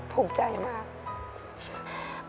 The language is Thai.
ภูมิใจมาก